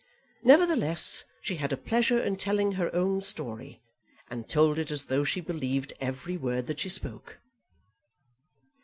Nevertheless, she had a pleasure in telling her own story, and told it as though she believed every word that she spoke.